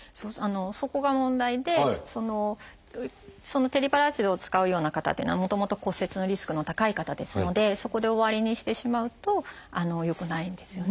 そこが問題でテリパラチドを使うような方というのはもともと骨折のリスクの高い方ですのでそこで終わりにしてしまうとよくないんですよね。